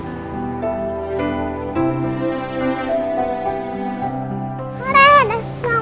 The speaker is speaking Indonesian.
hore udah sampai rumah mama